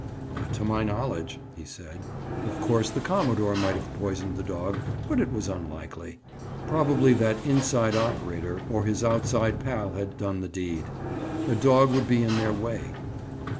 "Not to my knowledge," he said. Of course the commodore might have poisoned the dog, but it was unlikely. Probably that inside operator, or his outside pal had "done the deed." A dog would be in their way.